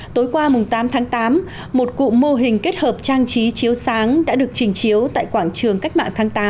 tối qua tám tháng tám một cụm mô hình kết hợp trang trí chiếu sáng đã được trình chiếu tại quảng trường cách mạng tháng tám